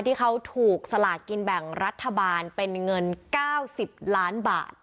ที่เขาถูกสลากินแบ่งรัฐบาลเป็นเงิน๙๐ล้านบาท